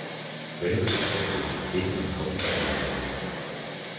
When it was accepted, they paid him in copies of the magazine.